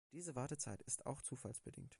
Diese Wartezeit ist auch zufallsbedingt.